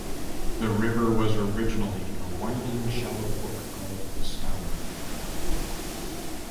The river was originally a winding shallow book called the Stour.